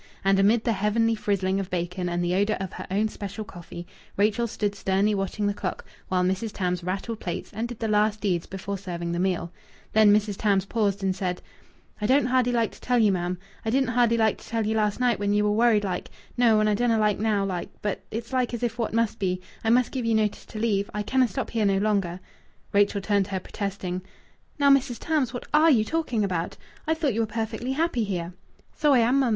And amid the heavenly frizzling of bacon and the odour of her own special coffee Rachel stood sternly watching the clock while Mrs. Tams rattled plates and did the last deeds before serving the meal. Then Mrs. Tarns paused and said "I don't hardly like to tell ye, ma'm I didn't hardly like to tell ye last night when ye were worried like no, and I dunna like now like, but its like as if what must be I must give ye notice to leave. I canna stop here no longer." Rachel turned to her, protesting "Now, Mrs. Tams, what are you talking about? I thought you were perfectly happy here." "So I am, mum.